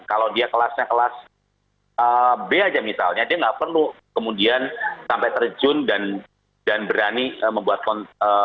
kalau dia kelasnya kelas b aja misalnya dia nggak perlu kemudian sampai terjun dan berani membuat konten